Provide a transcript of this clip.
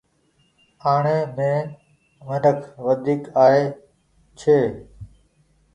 آڻي مين منک وڍيڪ آئي ڇي۔